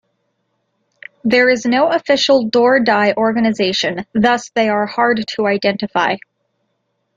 There is no official Dor Dai organization thus they are hard to identify.